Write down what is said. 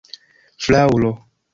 fraŭlo